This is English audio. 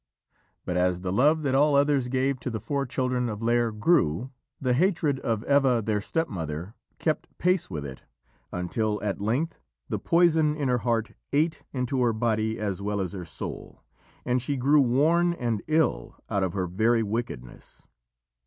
But as the love that all others gave to the four children of Lîr grew, the hatred of Eva, their stepmother, kept pace with it, until at length the poison in her heart ate into her body as well as her soul, and she grew worn and ill out of her very wickedness.